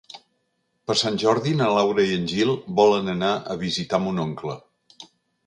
Per Sant Jordi na Laura i en Gil volen anar a visitar mon oncle.